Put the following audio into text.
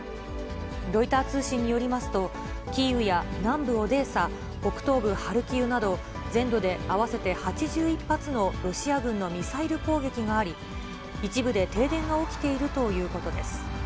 ロイター通信によりますと、キーウや南部オデーサ、北東部ハルキウなど、全土で合わせて８１発のロシア軍のミサイル攻撃があり、一部で停電が起きているということです。